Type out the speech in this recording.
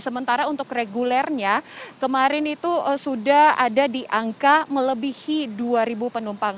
sementara untuk regulernya kemarin itu sudah ada di angka melebihi dua penumpang